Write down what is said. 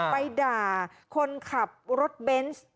ไปด่าคนขับรถเบนส์